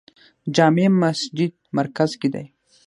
جامع مسجد مرکز کې دی